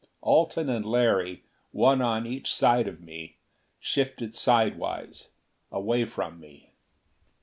Alten and Larry, one on each side of me, shifted sidewise, away from me.